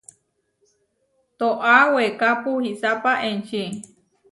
Tóa, weeká puisápa enčí.